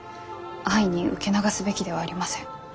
安易に受け流すべきではありません。